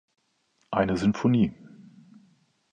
Eine Sinfonie